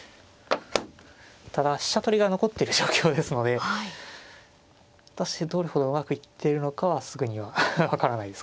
ただ飛車取りが残ってる状況ですので果たしてどれほどうまくいってるのかはすぐには分からないですかね。